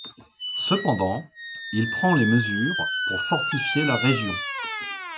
Cependant, il prend les mesures pour fortifier la région.